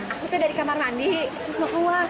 aku tadi di kamar mandi terus mau keluar